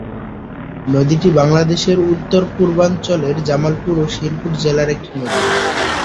নদীটি বাংলাদেশের উত্তর-পূর্বাঞ্চলের জামালপুর ও শেরপুর জেলার একটি নদী।